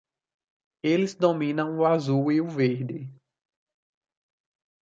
Eles dominam o azul e o verde.